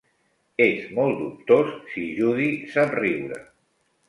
És molt dubtós si Judy sap riure.